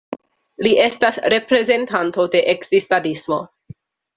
Li estas reprezentanto de Ekzistadismo.